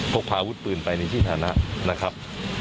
พกพาอาวุธปืนไปในที่ฐานะนะครับ